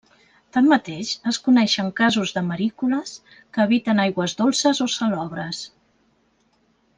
Tanmateix, es coneixen casos de marícoles que habiten aigües dolces o salobres.